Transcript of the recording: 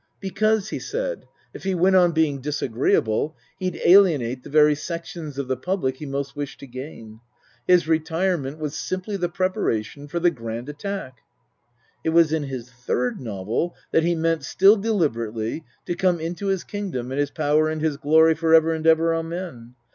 Because, he said, if he went on being disagreeable, he'd alienate the very sections of the public he most wished to gain. His retirement was simply the preparation for the Grand Attack. It was in his third novel that he meant, still deliber ately, to come into his kingdom and his power and his glory, for ever and ever, Amen.